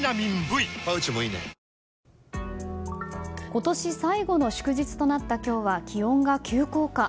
今年最後の祝日となった今日は気温が急降下。